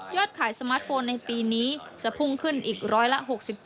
ขายสมาร์ทโฟนในปีนี้จะพุ่งขึ้นอีกร้อยละ๖๗